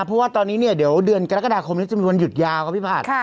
เพราะว่าตอนนี้เนี่ยเดี๋ยวเดือนกรกฎาคมนี้จะมีวันหยุดยาวครับพี่ผัด